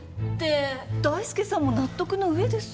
大介さんも納得の上です。